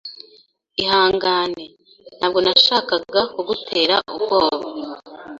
Ihangane, ntabwo nashakaga kugutera ubwoba.